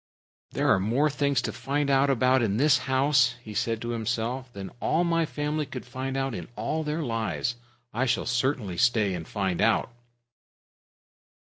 "There are more things to find out about in this house," he said to himself, "than all my family could find out in all their lives. I shall certainly stay and find out."